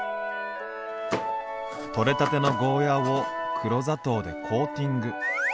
取れたてのゴーヤーを黒砂糖でコーティング。